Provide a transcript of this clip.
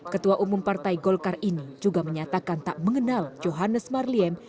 ketua umum partai golkar ini juga menyatakan tak mengenal johannes marliem